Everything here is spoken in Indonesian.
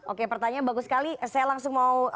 oke pertanyaan bagus sekali saya langsung mau